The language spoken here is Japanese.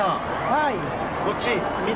はい。